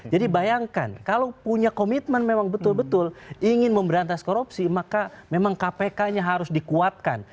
jadi bayangkan kalau punya komitmen memang betul betul ingin memberantasan korupsi maka memang kpknya harus dikuatkan